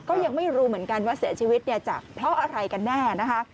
ก็ยังไม่รู้เหมือนกันว่าเสียชีวิตจะเพราะอะไรกันแน่